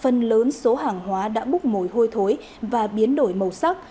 phần lớn số hàng hóa đã búc mồi hôi thối và biến đổi màu sắc